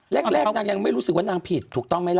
แรกนางยังไม่รู้สึกว่านางผิดถูกต้องไหมล่ะ